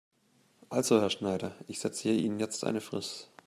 Also Herr Schneider, ich setze Ihnen jetzt eine Frist.